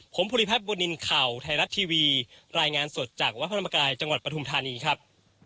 ผมภูริพัฒนบุญนินทร์ข่าวไทยรัฐทีวีรายงานสดจากวัดพระธรรมกายจังหวัดปฐุมธานีครับ